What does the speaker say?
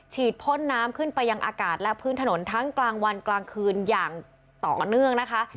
พ่นน้ำขึ้นไปยังอากาศและพื้นถนนทั้งกลางวันกลางคืนอย่างต่อเนื่องนะคะ